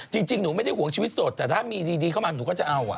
จริงหนูไม่ได้ห่วงชีวิตสดแต่ถ้ามีดีเข้ามาหนูก็จะเอา